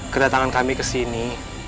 kedatangan kami kesini